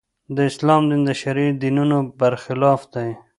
د اسلام دین د شرقي دینونو برخلاف دی.